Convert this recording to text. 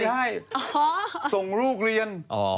ใช่ส่งลูกเรียน